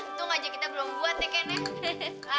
untung aja kita belum buat deh ken ya